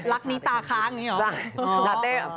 ลักษณ์นี้ตาค้างอยากเนี๊ยว